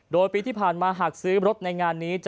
โดยปีที่ผ่านมาหากซื้อรถในงานนี้